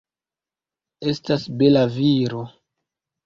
Estas bela viro.